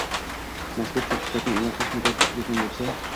mazkur sertifikatning amal qilish muddati tugagan bo‘lsa;